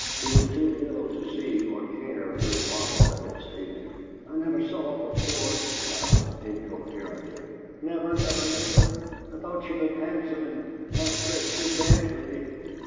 He was too ill to see, or care, who it was that had saved him. "I never saw her before," he babbled, incoherently, "never, never, never! I thought she looked handsome, and asked her if she'd dance with me.